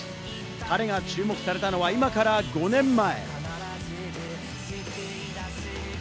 彼が注目されたのは、今から５年前。